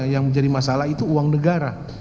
yang menjadi masalah itu uang negara